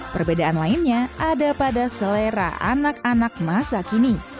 perbedaan lainnya ada pada selera anak anak masa kini